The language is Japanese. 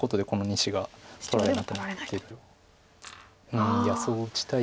うんいやそう打ちたい。